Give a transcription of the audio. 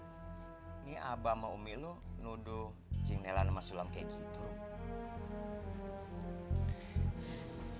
ini abah sama umi lo nuduh cing nelan sama sulam kayak gitu ruh